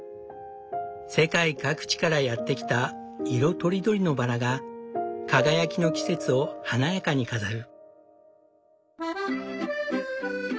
世界各地からやってきた色とりどりのバラが輝きの季節を華やかに飾る。